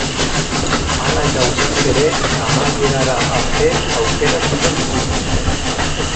Hala eta guztiz ere, amaierara arte aukerak izan dituzte.